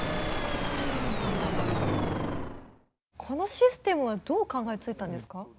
このシステムはどう考えついたんですか？